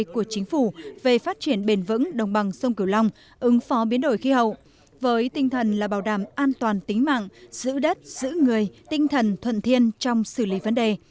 của chính phủ về phát triển bền vững đồng bằng sông cửu long ứng phó biến đổi khí hậu với tinh thần là bảo đảm an toàn tính mạng giữ đất giữ người tinh thần thuận thiên trong xử lý vấn đề